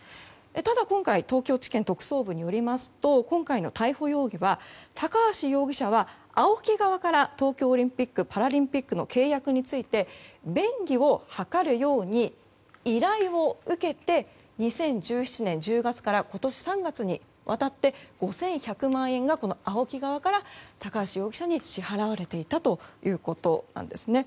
ただ今回東京地検特捜部によりますと今回の逮捕容疑は、高橋容疑者はＡＯＫＩ側から東京オリンピック・パラリンピックの契約について便宜を図るように依頼を受けて２０１７年１０月から今年３月にわたって５１００万円がＡＯＫＩ側から高橋容疑者に支払われていたということです。